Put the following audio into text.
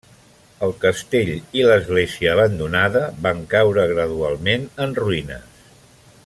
El castell i l'església abandonada van caure gradualment en ruïnes.